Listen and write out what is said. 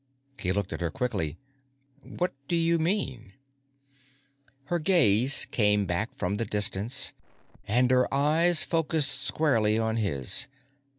He looked at her quickly. "What do you mean?" Her gaze came back from the distance, and her eyes focused squarely on his.